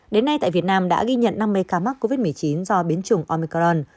đến nay tại việt nam đã ghi nhận năm mươi ca mắc covid một mươi chín do biến chủng omicron